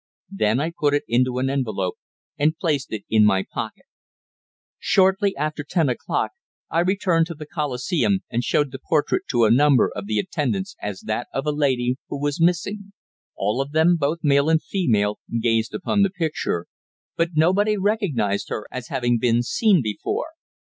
Then I put it into an envelope, and placed it in my pocket. Soon after ten o'clock I returned to the Coliseum, and showed the portrait to a number of the attendants as that of a lady who was missing. All of them, both male and female, gazed upon the picture, but nobody recognized her as having been seen before.